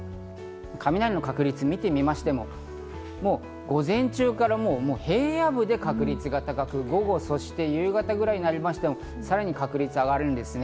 雷の確率を見てみましても、午前中から平野部で確率が高く、午後、そして夕方くらいになりましても、さらに確率が上がるんですね。